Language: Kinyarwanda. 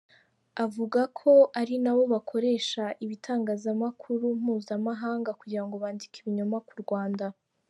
Avuga ko ari na bo bakoresha ibitangazamakuru mpuzamahanga kugira ngo bandike ibinyoma ku Rwanda.